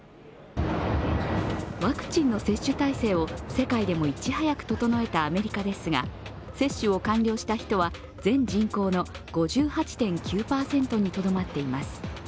ワクチンの接種体制を世界でもいち早く整えたアメリカですが接種を完了した人は全人口の５８．９％にとどまっています。